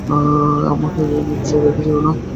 আমাকে এখানে ফেলে রেখে যেয়ো না।